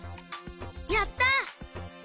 やった！